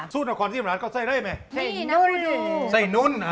ซูปบัครมี่นี่เขาใช้พริกแห้งไม่ได้หรือคะ